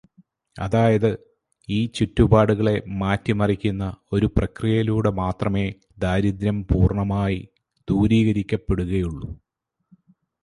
അതായത്, ഈ ചുറ്റുപാടുകളെ മാറ്റിമറിക്കുന്ന ഒരു പ്രക്രിയയിലൂടെ മാത്രമേ ദാരിദ്ര്യം പൂർണമായി ദൂരീകരിക്കപ്പെടുകയുള്ളൂ.